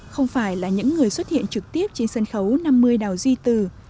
không phải là những người xuất hiện trực tiếp trên sân khấu năm mươi đảo duy tử